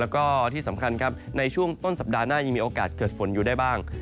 แล้วก็ที่สำคัญครับในช่วงต้นสัปดาห์หน้ายังมีโอกาสเกิดฝนอยู่ได้บ้าง